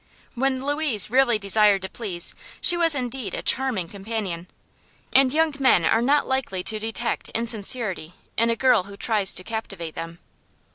When Louise really desired to please she was indeed a charming companion, and young men are not likely to detect insincerity in a girl who tries to captivate them.